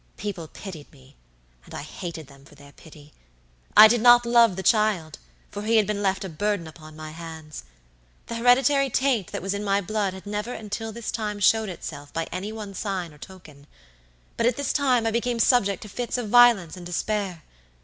People pitied me, and I hated them for their pity. I did not love the child, for he had been left a burden upon my hands. The hereditary taint that was in my blood had never until this time showed itself by any one sign or token; but at this time I became subject to fits of violence and despair.